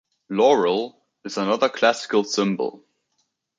Laurel is another classical symbol.